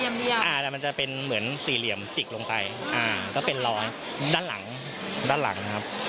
มันจะเป็นเหมือนสี่เหลี่ยมจิกลงไปก็เป็นรอยด้านหลัง